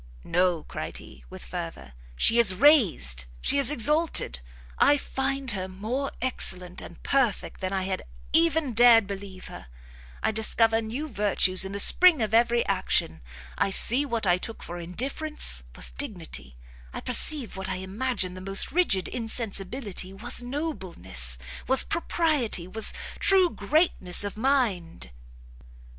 "No," cried he, with fervour, "she is raised, she is exalted! I find her more excellent and perfect than I had even dared believe her; I discover new virtues in the spring of every action; I see what I took for indifference, was dignity; I perceive what I imagined the most rigid insensibility, was nobleness, was propriety, was true greatness of mind!"